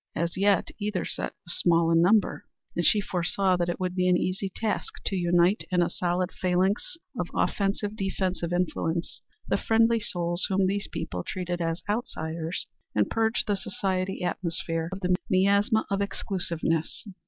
As yet either set was small in number, and she foresaw that it would be an easy task to unite in a solid phalanx of offensive defensive influence the friendly souls whom these people treated as outsiders, and purge the society atmosphere of the miasma of exclusiveness.